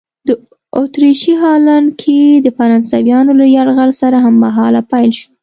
د اتریشي هالنډ کې د فرانسویانو له یرغل سره هممهاله پیل شوه.